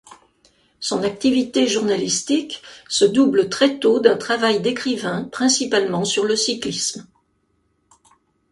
Son activité journalistique se double très tôt d'un travail d'écrivain, principalement sur le cyclisme.